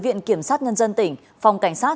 viện kiểm sát nhân dân tỉnh phòng cảnh sát